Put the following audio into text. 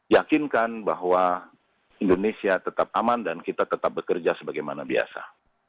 yakinkan bahwa indonesia tetap aman dan kita tetap bekerja sebagaimana biasa